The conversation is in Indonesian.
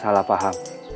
yang lain lagi